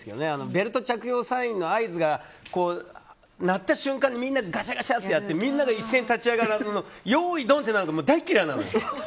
ベルト着用サインの合図が鳴った瞬間にみんながしゃがしゃやってみんなが立ち上がる、用意ドンってなるの大嫌いなの！